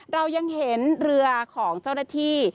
เรายังเห็นเรือของเจ้าหน้าที่